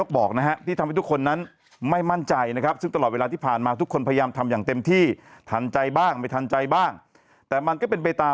ก็ไม่มีใครส่งอะไรมาให้แล้วนี่